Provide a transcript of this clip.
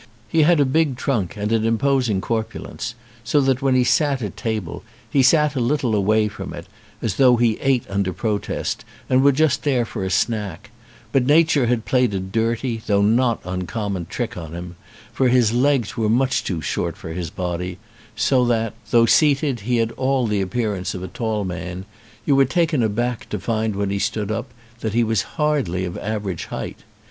He had a big trunk and an imposing corpulence so that when he sat at table he sat a little away from it, as though he ate under protest and were just there for a snack; but nature had played a dirty, though not uncommon trick on him ; for his legs were much too short for his body so that, though seated he had all the appearance 74 THE POINT OF HONOUB of a tall man, you were taken aback to find when he stood up that he was hardly of average height.